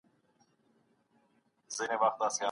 که موږ له کړکۍ څخه ډبره چاڼ کړو، ګټه لري.